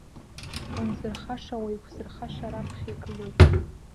Унзырхаша, уеиқәзырхаша раԥхьа игылоуп.